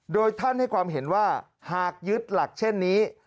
โดยท่านให้ความเห็นว่าหากยึดหลักเช่นนี้